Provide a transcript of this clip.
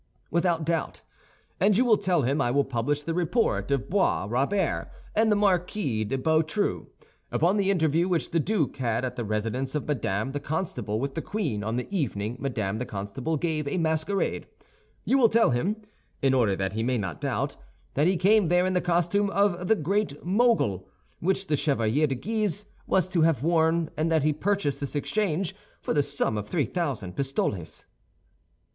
"Without doubt. And you will tell him I will publish the report of Bois Robert and the Marquis de Beautru, upon the interview which the duke had at the residence of Madame the Constable with the queen on the evening Madame the Constable gave a masquerade. You will tell him, in order that he may not doubt, that he came there in the costume of the Great Mogul, which the Chevalier de Guise was to have worn, and that he purchased this exchange for the sum of three thousand pistoles."